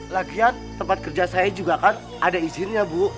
latihan tempat kerja saya juga kan ada izinnya bu